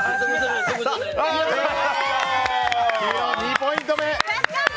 ２ポイント目。